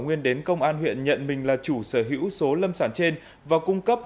nguyên đến công an huyện nhận mình là chủ sở hữu số lâm sản trên và cung cấp